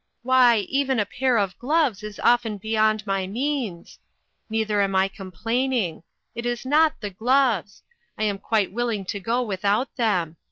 Why, even a pair of gloves is often beyond my means ! Neither am I complaining. It is riot the gloves ; I am quite willing to go without them.